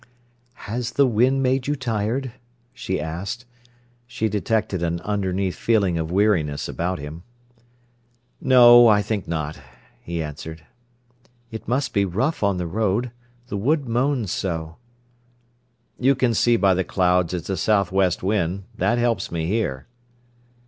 "Has the wind made you tired?" she asked. She detected an underneath feeling of weariness about him. "No, I think not," he answered. "It must be rough on the road—the wood moans so." "You can see by the clouds it's a south west wind; that helps me here."